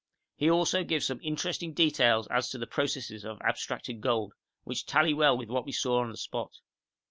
He also gives some interesting details as to the processes of abstracting gold, which tally well with what we saw on the spot.